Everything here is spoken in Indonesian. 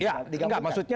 ya nggak maksudnya